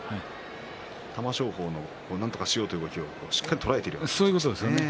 玉正鳳がなんとかしようという動きをしっかり捉えているということですね。